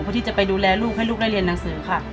ที่จะไปดูแลลูกให้ลูกได้เรียนหนังสือค่ะ